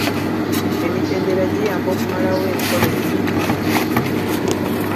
Emitendera egiyamba okumalawo enkola embi ku mulimu.